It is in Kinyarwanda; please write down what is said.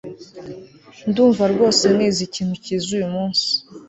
Ndumva rwose nize ikintu cyiza uyumunsi